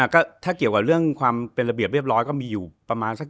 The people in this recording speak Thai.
ก็ถ้าเกี่ยวกับเรื่องความเป็นระเบียบเรียบร้อยก็มีอยู่ประมาณสัก